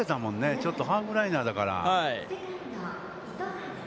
ちょっとハーフライナーだから。